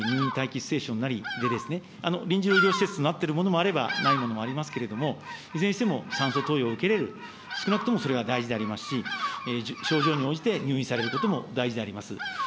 ステーションなりでですね、臨時の医療施設となっているものもあれば、ないものもありますけれども、いずれにしても酸素投与を受けれる、少なくともそれが大事でありますし、症状に応じて入院されることも大事であります。